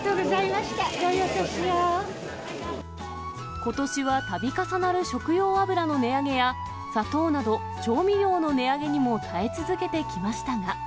ことしはたび重なる食用油の値上げや、砂糖など、調味料の値上げにも耐え続けてきましたが。